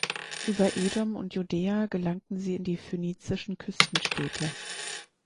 Über Edom und Judäa gelangten sie in die phönizischen Küstenstädte.